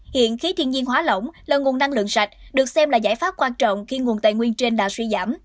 hiện khí thiên nhiên hóa lỏng là nguồn năng lượng sạch được xem là giải pháp quan trọng khi nguồn tài nguyên trên đã suy giảm